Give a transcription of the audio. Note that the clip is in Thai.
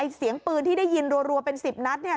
เสียงปืนที่ได้ยินรัวเป็น๑๐นัดเนี่ย